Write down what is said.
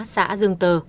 xã dương tờ